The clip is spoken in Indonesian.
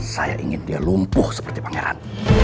saya ingin dia lumpuh seperti pangeran